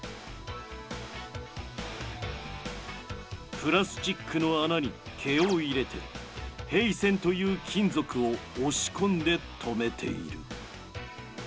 プラスチックの穴に毛を入れて平線という金属を押し込んで留めている。